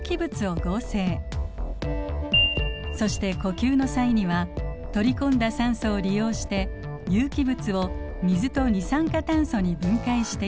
そして呼吸の際には取り込んだ酸素を利用して有機物を水と二酸化炭素に分解しています。